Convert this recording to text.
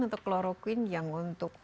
atau chloroquine yang untuk